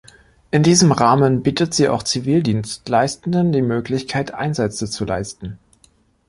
In diesem Rahmen bietet sie auch Zivildienstleistenden die Möglichkeit, Einsätze zu leisten.